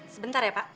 sebentar ya pak